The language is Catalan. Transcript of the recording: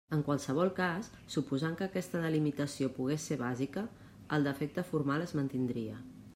En qualsevol cas, suposant que aquesta delimitació pogués ser bàsica, el defecte formal es mantindria.